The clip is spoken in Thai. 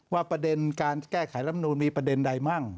ประเด็นการแก้ไขลำนูนมีประเด็นใดมั่ง